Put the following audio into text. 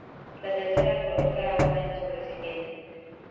La tercera coloca agua en su recipiente.